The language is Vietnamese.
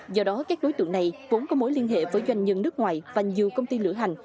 do đó các đối tượng này vốn có mối liên hệ với doanh nhân nước ngoài và nhiều công ty lửa hành